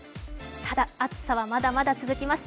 ただ、暑さはまだまだ続きます。